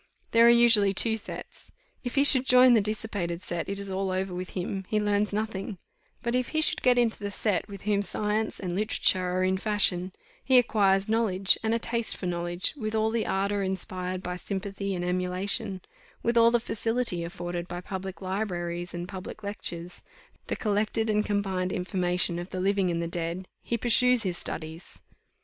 There are usually two sets: if he should join the dissipated set, it is all over with him, he learns nothing; but if he should get into the set with whom science and literature are in fashion, he acquires knowledge, and a taste for knowledge; with all the ardour inspired by sympathy and emulation, with all the facility afforded by public libraries and public lectures the collected and combined information of the living and the dead he pursues his studies.